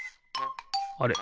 あれ？